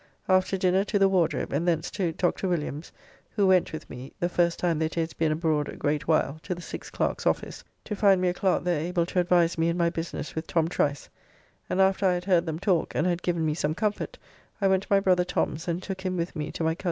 After dinner to the Wardrobe, and thence to Dr. Williams, who went with me (the first time that he has been abroad a great while) to the Six Clerks Office to find me a clerk there able to advise me in my business with Tom Trice, and after I had heard them talk, and had given me some comfort, I went to my brother Tom's, and took him with me to my coz.